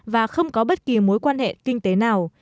và không có bất kỳ mối quan hệ kinh tế nào